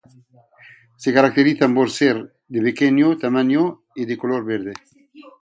Se caracterizan por ser de pequeño tamaño y de color verde.